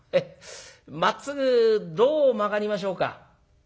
まっすぐどう曲がりましょうか」。